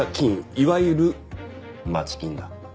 いわゆる街金だ。